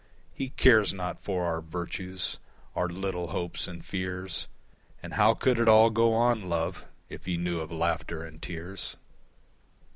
He cares not for our virtues, our little hopes and fears, And how could it all go on, love, if he knew of laughter and tears?